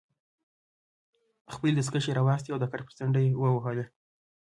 خپلې دستکشې يې راواخیستې او د کټ پر څنډه ېې ووهلې.